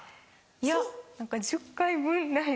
いや何か１０回分大丈夫。